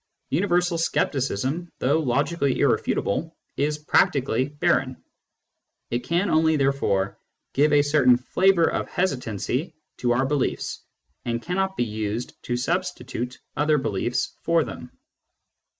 Universal scepticism, though logically irrefutable, is practically barren ; it can only, therefore, give a certain flavour of hesitancy to our beliefs, and cannot be used to substitute other beliefs for them.